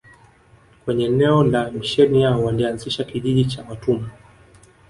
Kwenye eneo la misheni yao walianzisha kijiji cha watumwa